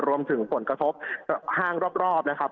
รวมถึงผลกระทบห้างรอบนะครับ